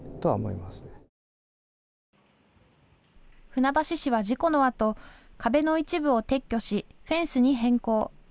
船橋市は事故のあと壁の一部を撤去し、フェンスに変更。